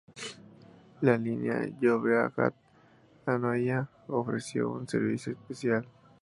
La línea Llobregat-Anoia ofreció un servicio especial.